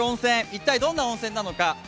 一体どんな温泉なのか。